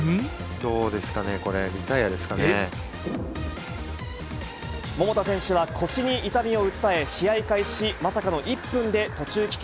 どうですかね、これ、リタイ桃田選手は、腰に痛みを訴え、試合開始まさかの１分で途中棄権。